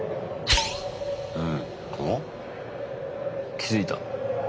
気付いた。